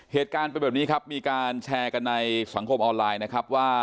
เหตุการณ์เป็นแบบนี้ครับมีการแชร์กันในสังคมออนไลน์นะครับว่า